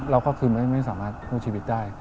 แล้วก็คืนไม่สามารถพูดชีวิตได้